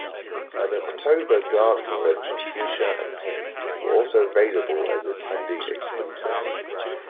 An Oktober Guard Convention T-shirt and Pin were also available as attendee exclusives.